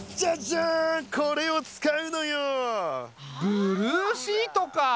ブルーシートか！